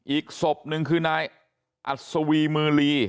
อีกศพหนึ่งคือนายอัศวีมือลี